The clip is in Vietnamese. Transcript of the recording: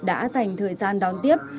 đã dành thời gian đón tiếp